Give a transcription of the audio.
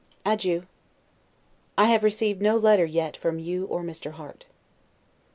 Adieu. I have received no letter yet from you or Mr. Harte.